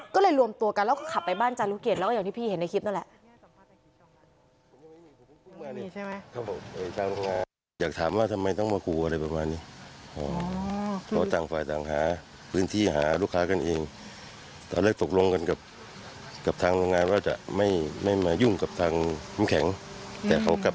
ก็เลยรวมตัวกันแล้วก็ขับไปบ้านจารุเกียจแล้วก็อย่างที่พี่เห็นในคลิปนั่นแหละ